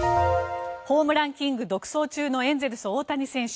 ホームランキング独走中のエンゼルス、大谷翔平選手。